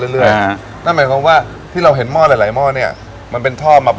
คือพอไอน้ำมันร้อนมันก็วนอยู่มันทำให้น้ำมันร้อนไง